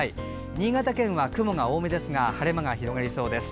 新潟県は雲が多めですが晴れ間が広がりそうです。